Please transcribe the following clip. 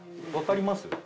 わかります？